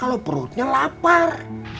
kalau perutnya lapar